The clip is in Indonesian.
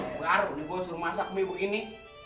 baru gua suruh masak mee begini